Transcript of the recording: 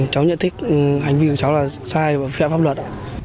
cháu nhận thích hành vi của cháu là sai và phép pháp luật